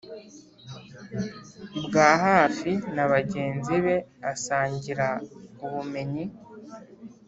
bwa hafi na bagenzi be asangira ubumenyi